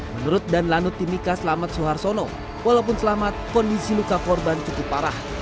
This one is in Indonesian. menurut dan lanut timika selamat soeharsono walaupun selamat kondisi luka korban cukup parah